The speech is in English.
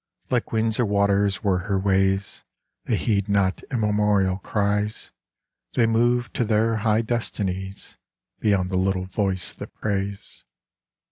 Like winds or waters were her ways : They heed not immemorial cries ; They move to their high destinies Beyond the little voice that prays.